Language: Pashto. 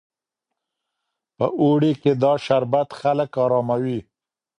په اوړي کې دا شربت خلک اراموي.